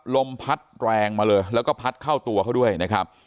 ลมพัดแรงมาเลยแล้วก็พัดเข้าตัวเขาด้วยนะครับ